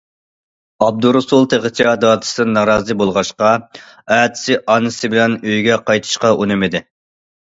ئابدۇرۇسۇل تېخىچە دادىسىدىن نارازى بولغاچقا، ئەتىسى ئانىسى بىلەن ئۆيگە قايتىشقا ئۇنىمىدى.